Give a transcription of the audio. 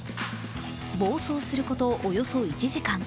暴走することおよそ１時間。